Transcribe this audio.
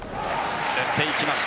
打っていきました。